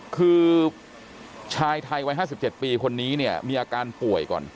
คือชายไทยวัย๕๗ปีคนนี้เนี่ยมีอาการป่วยก่อน